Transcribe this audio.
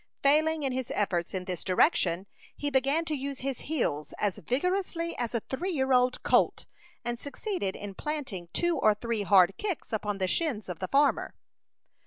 Failing in his efforts in this direction, he began to use his heels as vigorously as a three year old colt, and succeeded in planting two or three hard kicks upon the shins of the farmer.